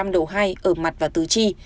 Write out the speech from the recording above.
độ hai ở mặt và tứ chi